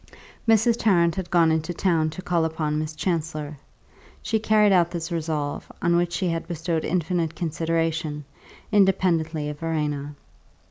Mrs. Tarrant had gone into town to call upon Miss Chancellor; she carried out this resolve, on which she had bestowed infinite consideration, independently of Verena.